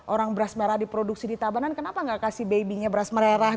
orang beras merah diproduksi di tabanan kenapa tidak memberikan bayinya beras merah